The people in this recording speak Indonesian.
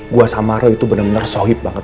gue sama roy itu bener bener sohib banget